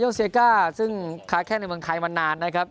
พจิก้าขายแค่ในเมืองไทยมานานนะครับ